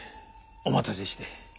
お待たせして。